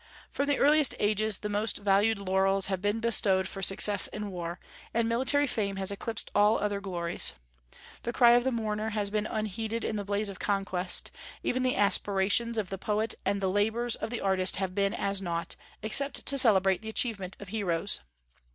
From the earliest ages, the most valued laurels have been bestowed for success in war, and military fame has eclipsed all other glories. The cry of the mourner has been unheeded in the blaze of conquest; even the aspirations of the poet and the labors of the artist have been as nought, except to celebrate the achievements of heroes.